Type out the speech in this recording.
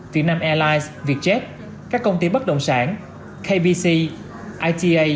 việt nam airlines vietjet các công ty bất động sản kbc ita